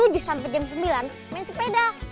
tujuh sampai jam sembilan main sepeda